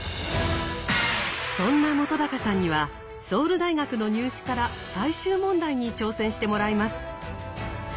そんな本さんにはソウル大学の入試から最終問題に挑戦してもらいます。